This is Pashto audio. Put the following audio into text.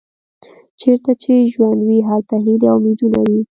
چیرته چې ژوند وي هلته هیلې او امیدونه وي.